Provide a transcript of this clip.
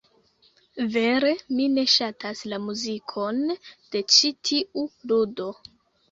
Vere, mi ne ŝatas la muzikon de ĉi tiu ludo.